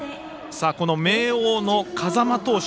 この明桜の風間投手